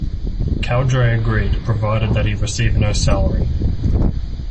Cowdray agreed, provided that he receive no salary.